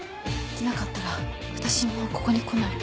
でなかったら私もうここに来ない。